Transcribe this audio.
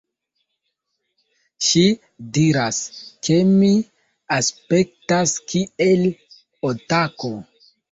Ŝi diras, ke mi aspektas kiel otako